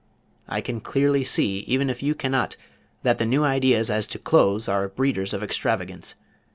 I can clearly see even if you cannot, that the new ideas as to clothes are breeders of extravagance.